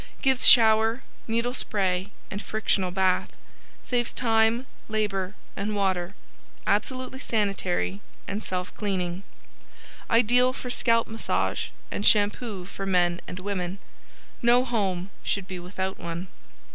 Gives shower needle spray and frictional bath. Saves time, labor and water. Absolutely sanitary and self cleaning. Ideal for scalp massage and shampoo for men and women. No home should be without one.